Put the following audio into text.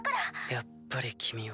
やっぱり君は。